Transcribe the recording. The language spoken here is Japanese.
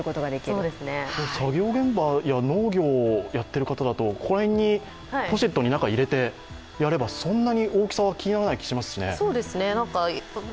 作業現場や農業をやっている方だとここら辺にポシェットに入れればそんなに大きさは気にならないかもしれませんね。